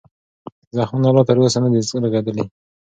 زخمونه لا تر اوسه نه دي رغېدلي.